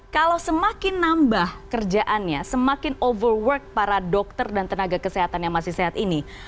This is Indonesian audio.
kalau semakin nambah kerjaannya semakin overwork para dokter dan tenaga kesehatan yang masih sehat ini